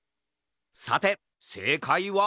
さてせいかいは？